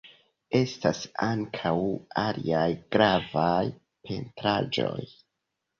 Estas ankaŭ aliaj gravaj pentraĵoj.